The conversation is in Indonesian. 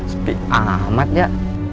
sepik amat ya